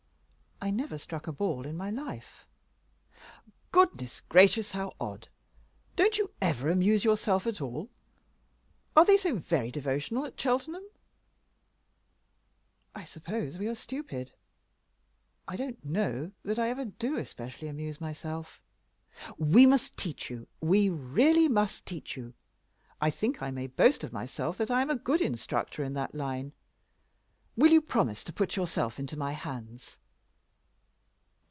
"I never struck a ball in my life." "Goodness gracious, how odd! Don't you ever amuse yourself at all? Are they so very devotional down at Cheltenham?" "I suppose we are stupid. I don't know that I ever do especially amuse myself." "We must teach you; we really must teach you. I think I may boast of myself that I am a good instructor in that line. Will you promise to put yourself into my hands?"